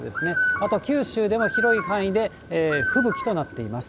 あとは九州でも広い範囲で吹雪となっています。